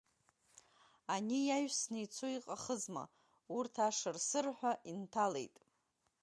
Ани иаҩсны ицо иҟахызма урҭ, ашыр-сырҳәа инҭалеит.